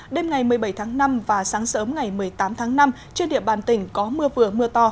đêm ngày một mươi bảy tháng năm và sáng sớm ngày một mươi tám tháng năm trên địa bàn tỉnh có mưa vừa mưa to